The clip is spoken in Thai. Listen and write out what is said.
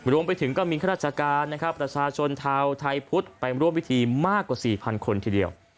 รวมไปถึงก็มีข้าราชการนะครับประชาชนชาวไทยพุทธไปร่วมพิธีมากกว่า๔๐๐คนทีเดียว